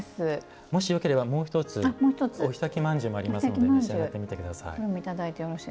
もし、よければ、もう１つお火焚きまんじゅうもあるので召し上がってみてください。